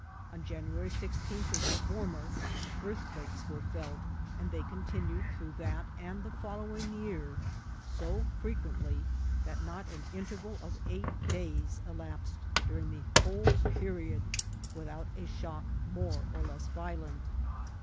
On January 16th of the former, earthquakes were felt, and they continued through that and the fol lowing year so firequently, that not an interval of eight days elapsed during the whole period without a shock more or less violent.